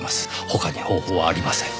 他に方法はありません。